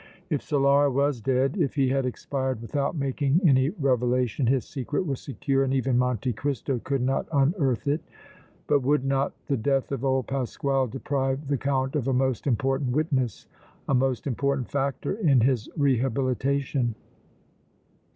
If Solara was dead, if he had expired without making any revelation, his secret was secure and even Monte Cristo could not unearth it, but would not the death of old Pasquale deprive the Count of a most important witness, a most important factor in his rehabilitation?